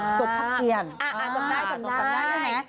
สมศักดิ์ได้สมศักดิ์ได้